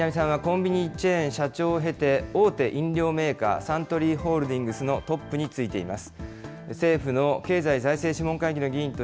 新浪さんはコンビニチェーン社長を経て、大手飲料メーカー、サントリーホールディングスのトップに就いています。